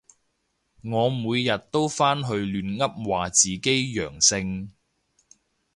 我每日都返去亂噏話自己陽性